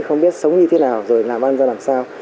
không biết sống như thế nào rồi làm ăn ra làm sao